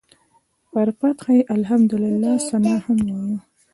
پر فتحه یې د الحمدلله ثناء هم وایه.